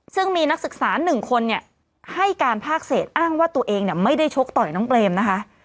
ซึ่งมีนักศึกษา๑คนเนี่ยให้การภาคเศษอ้างว่าตัวเองไม่ได้ชกต่อยน้องเปรมนะคะ